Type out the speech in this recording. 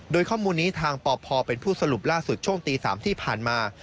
โดยข้อมูลนี้ทางปพเป็นผู้สรุปล่าสุดช่วงตี๓ที่ผ่านมา